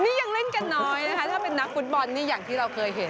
นี่ยังเล่นกันน้อยนะคะถ้าเป็นนักฟุตบอลนี่อย่างที่เราเคยเห็น